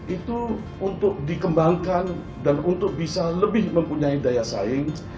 itu untuk dikembangkan dan untuk bisa lebih mempunyai daya saing